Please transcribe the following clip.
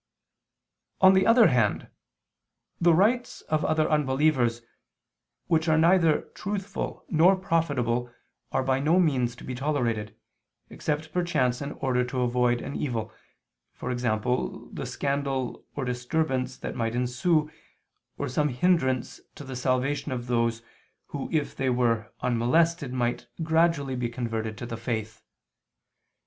On the other hand, the rites of other unbelievers, which are neither truthful nor profitable are by no means to be tolerated, except perchance in order to avoid an evil, e.g. the scandal or disturbance that might ensue, or some hindrance to the salvation of those who if they were unmolested might gradually be converted to the faith.